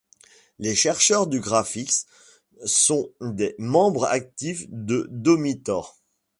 Les chercheurs du Grafics sont des membres actifs de Domitor.